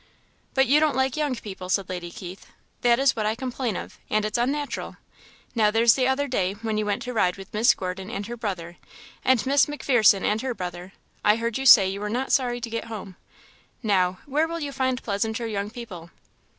"But you don't like young people," said Lady Keith "that is what I complain of; and it's unnatural. Now there's the other day, when you went to ride with Miss Gordon and her brother, and Miss M'Pherson and her brother I heard you say you were not sorry to get home. Now, where will you find pleasanter young people?"